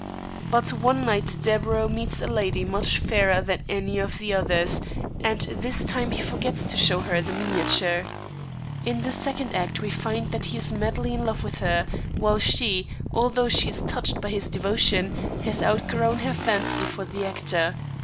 But one night Deburau meets a lady much fairer than any of the others, and this time he forgets to show her the miniature. In the second act we find that he is madly in love with her, while she, although she is touched by his devotion, has outgrown her fancy for the actor.